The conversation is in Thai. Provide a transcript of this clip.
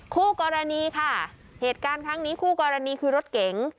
คู่กรณีค่ะเหตุการณ์ครั้งนี้คู่กรณีคือรถเก๋ง